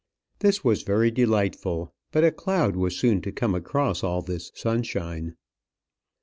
This was very delightful; but a cloud was soon to come across all this sunshine.